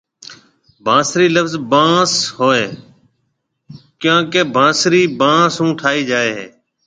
بانسري لفظ بانس ھونھيَََ ڪيونڪي بانسري بانس ھونٺاھيَََ جاوي ھيَََ